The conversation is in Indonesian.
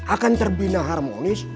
akan terbina harmonis